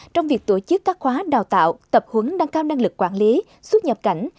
trong việc tổ chức các khóa đào tạo tập huấn nâng cao năng lực quản lý xuất nhập cảnh